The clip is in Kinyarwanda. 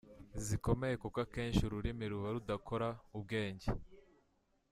zikomeye kuko akenshi ururimi ruba rudakora, ubwenge